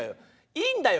いいんだよ